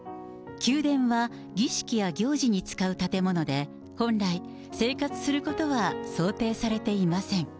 宮殿は儀式や行事に使う建物で、本来、生活することは想定されていません。